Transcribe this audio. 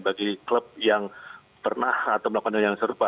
bagi klub yang pernah atau melakukan hal yang serupa